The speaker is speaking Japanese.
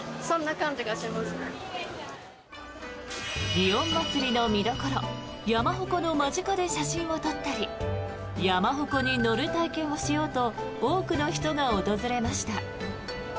祇園祭の見どころ山鉾の間近で写真を撮ったり山鉾に乗る体験をしようと多くの人が訪れました。